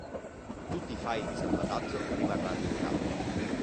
Tutti i file di salvataggio rimarranno intatti.